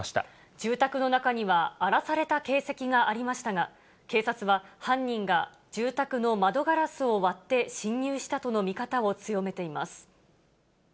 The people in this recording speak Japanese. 住宅の中には、荒らされた形跡がありましたが、警察は、犯人が住宅の窓ガラスを割って侵入したとの見方を強めています。